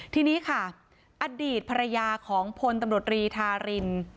ทีนี้ค่ะอดีตภรรยาของพลตำรวจรีธาริน